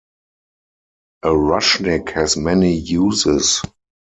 A Rushnyk has many uses.